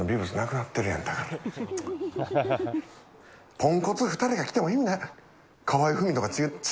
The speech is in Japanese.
ポンコツ２人が来ても意味ない。